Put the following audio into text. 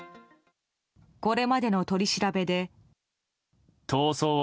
これまでの取り調べで。